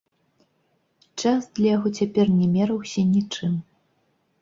Час для яго цяпер не мераўся нічым.